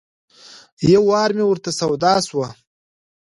یو وار مې ورته سودا شوه.